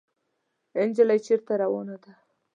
انجلۍ چېرته روانه ده ؟